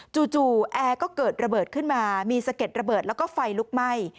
จู่แอร์ก็เกิดระเบิดขึ้นมามีสะเก็ดระเบิดแล้วก็ไฟลุกไหม้